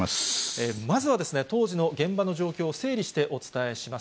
まずはですね、当時の現場の状況を整理してお伝えします。